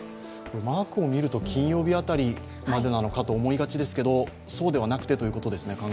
マークを見ると金曜日辺りまでなのかと思いがちですけどそうではなくてということですね。